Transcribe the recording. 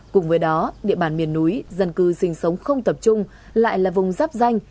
cùng với đó địa bàn miền núi dân cư sinh sống không tập trung lại là vùng giáp danh